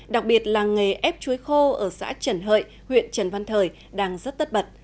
đặc biệt làng nghề ép chuối khô ở xã trần hợi huyện trần văn thời đang rất tất bật